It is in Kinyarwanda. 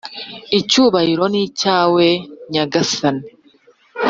icyubahiro ni icyawe nyagasani